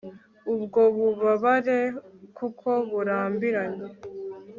ubwo bubabare kuko burambiranye